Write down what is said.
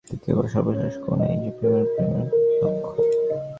তৃতীয় বা সর্বশেষ কোণ এই যে, প্রেমই প্রেমের লক্ষ্য।